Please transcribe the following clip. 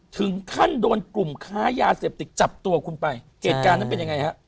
ถึงขั้นโดนกลุ่มค้ายาเสพติดจับตัวคุณไปเหตุการณ์นั้นเป็นยังไงฮะ